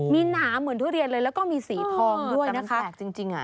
มีหนาเหมือนทุเรียนเลยแล้วก็มีสีทองด้วยนะครับ